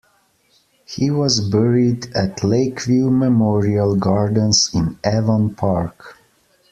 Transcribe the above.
He was buried at Lakeview Memorial Gardens in Avon Park.